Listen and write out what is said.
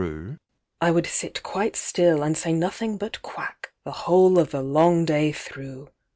"I would sit quite still, and say nothing but 'Quack,' The whole of the long day through!